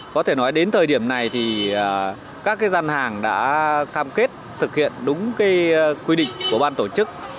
có thể nói đến thời điểm này thì các gian hàng đã cam kết thực hiện đúng quy định của ban tổ chức